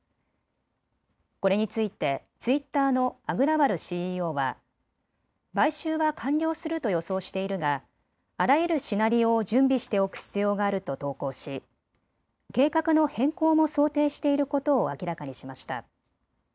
これについてツイッターのアグラワルＣＥＯは買収は完了すると予想しているがあらゆるシナリオを準備しておく必要があると投稿し計画の変更も想定していることを明らかにしました。